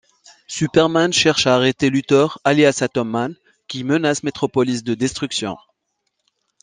Superman cherche à arrêter Luthor, alias Atom Man, qui menace Metropolis de destruction.